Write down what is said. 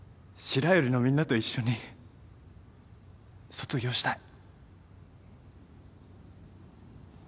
白百合のみんなと一緒に卒業したい。